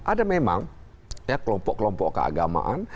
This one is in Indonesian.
ada memang kelompok kelompok keagamaan